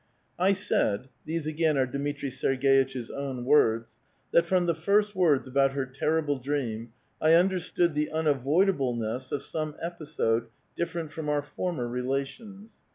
'* I said [these again are Dmitri Serg^ itch's own words] that from the first words about her terrible dream, I under stood the unavoidableness of some episode different from our former relations.